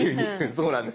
そうなんです。